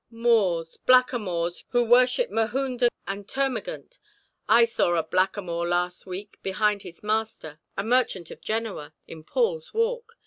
"Moors—blackamoors who worship Mahound and Termagant. I saw a blackamoor last week behind his master, a merchant of Genoa, in Paul's Walk.